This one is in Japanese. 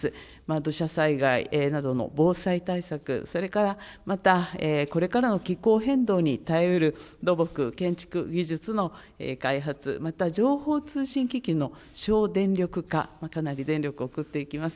土砂災害などへの防災対策、それからまた、これからの気候変動に耐えうる土木・建築技術の開発、また情報通信機器の省電力化、かなり電力をくっていきます。